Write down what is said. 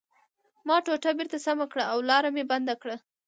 ما ټوټه بېرته سمه کړه او لاره مې بنده کړه